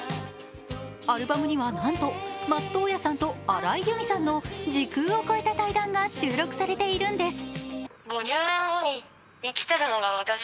アルバムにはなんと松任谷さんと荒井由実さんの時空を超えた対談が収録されているんです。